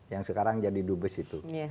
yang sekarang jadi dubes itu